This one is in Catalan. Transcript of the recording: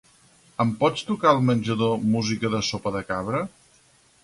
Em pots tocar al menjador música de Sopa de Cabra?